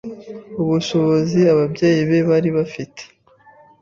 ubushobozi ababyeyi be bari bafite